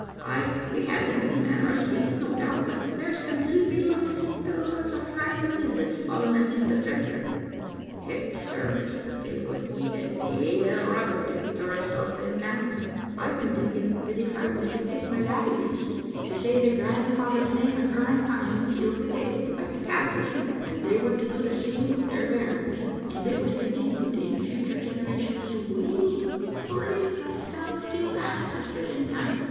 Ay, we had them in a manner o' speaking, no doubt, but they're as completely lost sicht o' as a flagon lid that's fallen ahint the dresser. Hech, sirs, but they would need a gey rubbing to get the rust off them now, I've been thinking that if I was to get my laddies to say Digitized by VjOOQ IC m XCbc xmie Ainfetet* their grandfather's name a curran times ilka day, like the Catechism, and they were to do the same wi' their bairns, and it was continued in future generations, we micht raise a fell field o' ancestors in time.